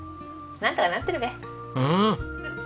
なんとかなってるべ。